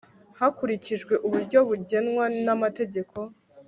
hakurikijwe uburyo bugenwa n amategeko